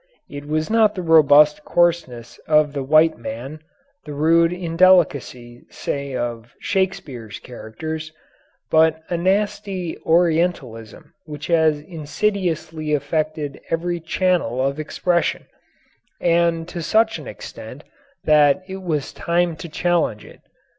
It was not the robust coarseness of the white man, the rude indelicacy, say, of Shakespeare's characters, but a nasty Orientalism which has insidiously affected every channel of expression and to such an extent that it was time to challenge it.